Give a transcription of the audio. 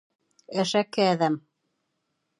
Әшәке әҙәм.